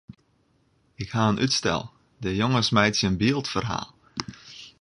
Ik ha in útstel: de jonges meitsje in byldferhaal.